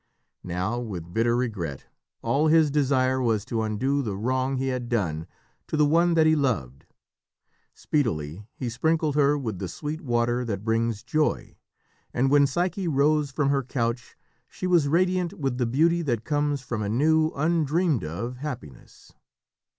Now, with bitter regret, all his desire was to undo the wrong he had done to the one that he loved. Speedily he sprinkled her with the sweet water that brings joy, and when Psyche rose from her couch she was radiant with the beauty that comes from a new, undreamed of happiness.